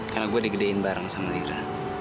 karena gue digedain bareng sama lira